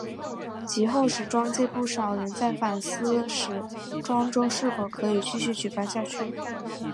及后时装界不少人在反思时装周是否可以继续举办下去。